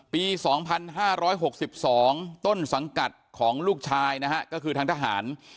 ปี๒๕๖๒ต้นสังกัดของลูกชายนะฮะก็คือทางทหาร